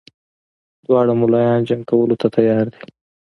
دواړه ملایان جنګ کولو ته تیار دي.